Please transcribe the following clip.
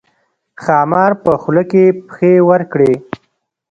ښامار په خوله کې پښې ورکړې.